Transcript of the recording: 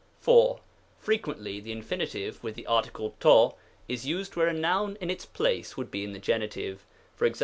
4. Frequently the Infin. with the article to^ is used where a noun in its place would be in the Gen. Ex.